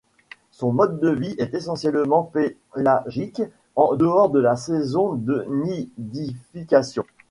Son mode de vie est essentiellement pélagique en dehors de la saison de nidification.